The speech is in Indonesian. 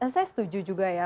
saya setuju juga ya